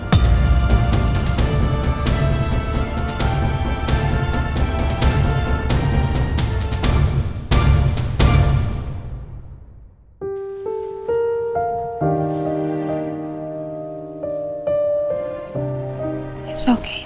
sampai jumpa di video selanjutnya